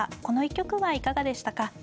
この一局はいかがでしたか。